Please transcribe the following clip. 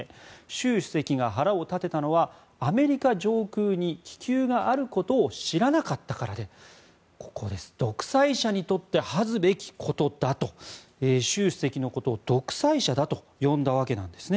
習主席が腹を立てたのはアメリカ上空に気球があることを知らなかったからで独裁者にとって恥ずべきことだと習主席のことを独裁者だと呼んだわけです。